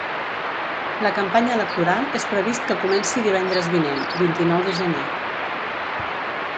La campanya electoral és previst que comenci divendres vinent, vint-i-nou de gener.